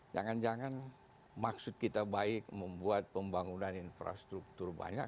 jangan jangan maksud kita baik membuat pembangunan infrastruktur banyak